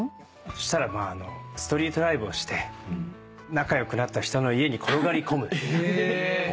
したらまあストリートライブをして仲良くなった人の家に転がり込む。え！？